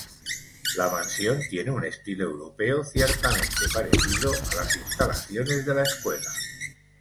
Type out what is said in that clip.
La mansión tiene un estilo europeo ciertamente parecido a las instalaciones de la escuela.